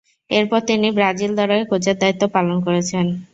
এরপর তিনি ব্রাজিল দলের কোচের দায়িত্ব পালন করেছেন।